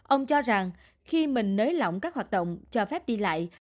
ông cho rằng khi mình nới lỏng các hoạt động cho phép đi lại